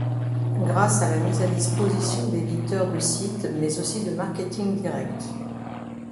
Grâce à la mise à disposition d'éditeurs de sites mais aussi de Marketing Direct.